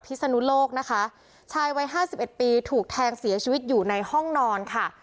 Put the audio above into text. ศนุโลกนะคะชายวัยห้าสิบเอ็ดปีถูกแทงเสียชีวิตอยู่ในห้องนอนค่ะ